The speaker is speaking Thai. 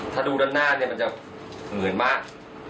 ถ้าดูด้านหน้าเนี่ยมันจะเหมือนมาก